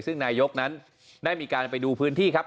ซึ่งนายกนั้นได้มีการไปดูพื้นที่ครับ